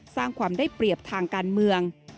สร้างความได้เปรียบทางการเมือง